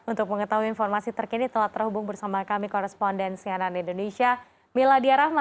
untuk mengetahui informasi terkini telah terhubung bersama kami koresponden senan indonesia mila diarahma